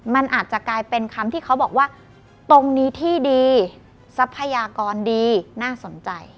มันอาจจะกลายเป็นคำที่เขาบอกว่าตรงนี้ที่ดีทรัพยากรดีน่าสนใจ